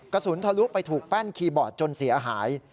ทะลุไปถูกแป้นคีย์บอร์ดจนเสียหาย